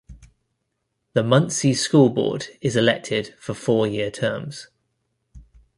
The Muncy School Board is elected for four year terms.